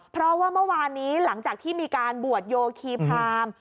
เพราะว่าเมื่อวานนี้หลังจากที่มีการบวชโยคีพราม